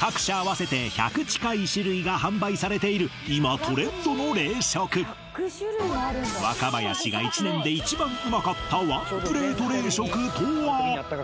各社合わせて１００ちかい種類が販売されている今トレンドの冷食若林が１年で一番ウマかったワンプレート冷食とは？